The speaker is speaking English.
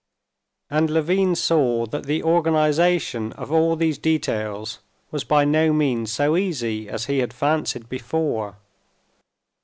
And Levin saw that the organization of all these details was by no means so easy as he had fancied before.